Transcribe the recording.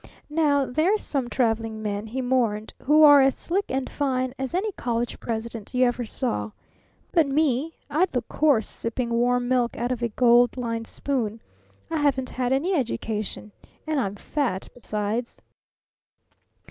"Now, there's some traveling men," he mourned, "who are as slick and fine as any college president you ever saw. But me? I'd look coarse sipping warm milk out of a gold lined spoon. I haven't had any education. And I'm fat, besides!"